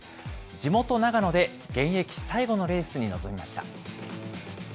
地元、長野で現役最後のレースに臨みました。